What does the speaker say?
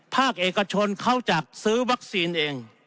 ภาคเอกชนเขาจัดซื้อวัคซีนเอง